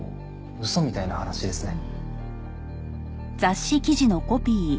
嘘みたいな話ですね。